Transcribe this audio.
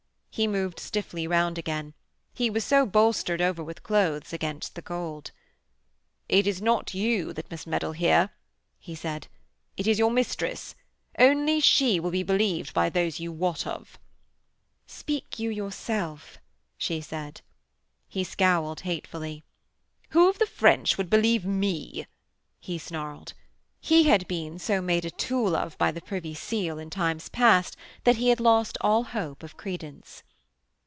He moved stiffly round again he was so bolstered over with clothes against the cold. 'It is not you that must meddle here,' he said. 'It is your mistress. Only she will be believed by those you wot of.' 'Speak you yourself,' she said. He scowled hatefully. 'Who of the French would believe me,' he snarled. He had been so made a tool of by Privy Seal in times past that he had lost all hope of credence.